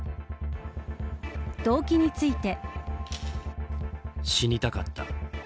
動機について。